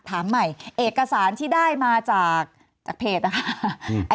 ถามใหม่เอกสารที่ได้มาจากเพจนะคะ